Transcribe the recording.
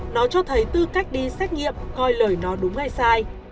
nó cho thấy tư cách đi xét nghiệm coi lời nó đúng hay sai